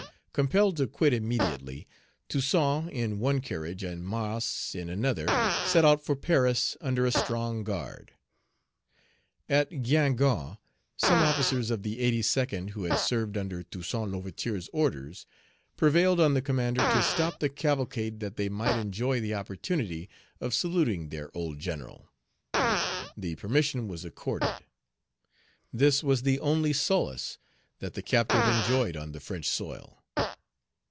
Compelled to quit immediately, Toussaint in one carriage and Mars in another set out for Paris under a strong guard. At Guingamp, some officers of the Eighty second, who had served under Toussaint L'Ouverture's orders, prevailed on the commander to stop the cavalcade that they might enjoy the opportunity of saluting their old General. The permission was accorded. This was the only solace that the captive enjoyed on the French soil.